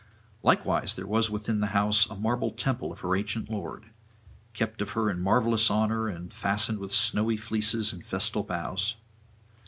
Likewise there was within the house a marble temple of her ancient lord, kept of her in marvellous honour, and fastened with snowy fleeces and festal boughs.